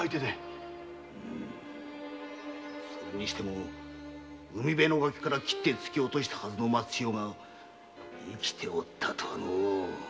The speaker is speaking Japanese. それにしても海辺の崖から切って突き落としたはずの松千代が生きておったとはのう。